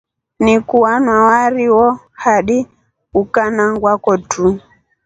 Niku wanywa wari wo hadi ukanangwa kutro.